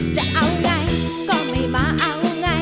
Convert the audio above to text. จะเอาไงก็ไม่มาเอาไง